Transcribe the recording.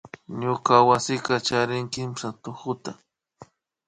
Ñuka wasi charin kimsa tukuta